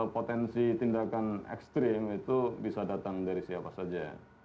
potensi tindakan ekstrim itu bisa datang dari siapa saja